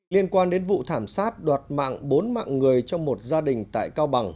liên quan đến vụ thảm sát đoạt mạng bốn mạng người trong một gia đình tại cao bằng